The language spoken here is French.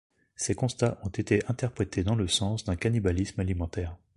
Ces constats ont été interprétés dans le sens d'un cannibalisme alimentaire.